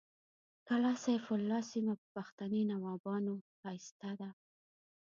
کلا سیف الله سیمه په پښتني نوابانو ښایسته ده